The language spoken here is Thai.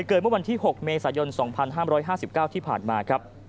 เกิดเมื่อวันที่๖เมษายน๒๕๕๙ที่ผ่านมาครับ